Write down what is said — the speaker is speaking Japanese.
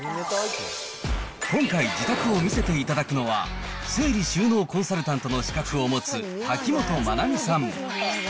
今回、自宅を見せていただくのは、整理収納コンサルタントの視覚を持つ、瀧本真奈美さん。